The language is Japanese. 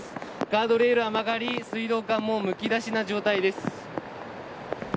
ガードレールは曲がり、水道管もむき出しの状態です。